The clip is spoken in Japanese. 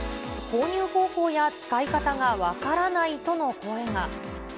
購入方法や使い方が分からないとの声が。